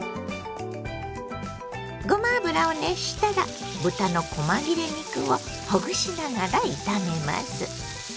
ごま油を熱したら豚のこま切れ肉をほぐしながら炒めます。